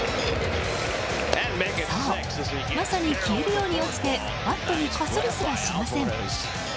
そう、まさに消えるように落ちてバットにかすりすらしません。